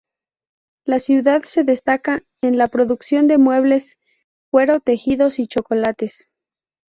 La ciudad se destaca en la producción de muebles, cuero, tejidos y chocolates.